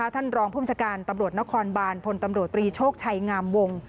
ท่านรองภูมิชาการตำรวจนครบานพลตำรวจตรีโชคชัยงามวง